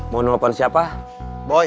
mau nulapan siapa boy